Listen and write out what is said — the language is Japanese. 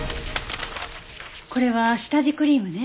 これは下地クリームね。